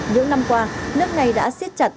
những năm qua nước này đã siết chặt